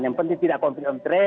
yang penting tidak konfirmasi